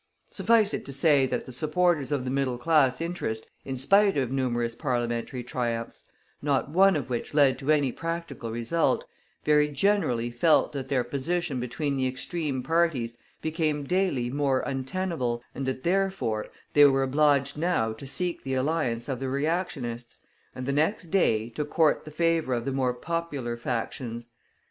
Suffice it to say that the supporters of the middle class interest in spite of numerous parliamentary triumphs, not one of which led to any practical result, very generally felt that their position between the extreme parties became daily more untenable, and that, therefore, they were obliged now to seek the alliance of the reactionists, and the next day to court the favor of the more popular factions.